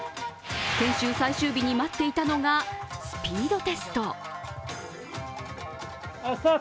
研修最終日に待っていたのがスピードテスト。